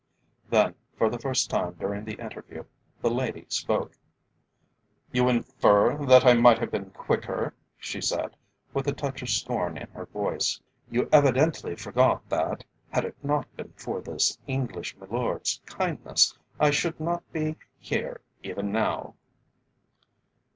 Then, for the first time during the interview, the lady spoke. "You infer that I might have been quicker?" she said, with a touch of scorn in her voice. "You evidently forget that, had it not been for this English milord's kindness, I should not be here even now."